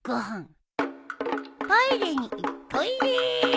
トイレに行っトイレ。